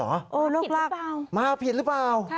โลกรักษ์มาผิดหรือเปล่าค่ะโลกรักษ์มาผิดหรือเปล่า